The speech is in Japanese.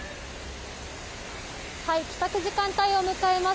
帰宅時間帯を迎えます